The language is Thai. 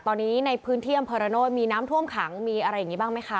ตอนนี้ในพื้นที่อำเภอระโนธมีน้ำท่วมขังมีอะไรอย่างนี้บ้างไหมคะ